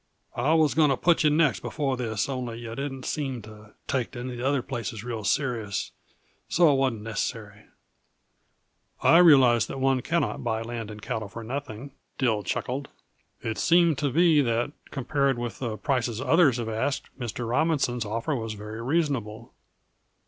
I was going to put yuh next before this, only yuh didn't seem to take to any uh the places real serious, so it wasn't necessary." "I realize that one cannot buy land and cattle for nothing," Dill chuckled. "It seemed to me that, compared with the prices others have asked, Mr. Robinson's offer was very reasonable."